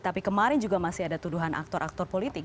tapi kemarin juga masih ada tuduhan aktor aktor politik